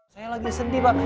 saya lagi sedih pak